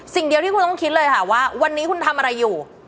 สิ่งเดียวที่คุณต้องคิดเลยค่ะว่าวันนี้คุณทำอะไรอยู่